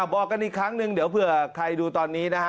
บอกกันอีกครั้งหนึ่งเดี๋ยวเผื่อใครดูตอนนี้นะฮะ